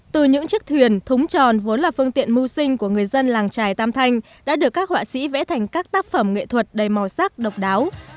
từ những chiếc thuyền thúng tròn vốn là phương tiện mưu sinh của người dân làng trài tam thanh đã được các họa sĩ vẽ thành các tác phẩm nghệ thuật đầy màu sắc độc đáo